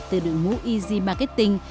từ đường mũ easy marketing